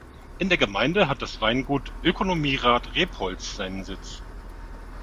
In der Gemeinde hat das Weingut Ökonomierat Rebholz seinen Sitz.